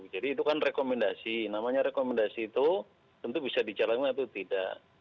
jadi itu kan rekomendasi namanya rekomendasi itu tentu bisa dijalankan atau tidak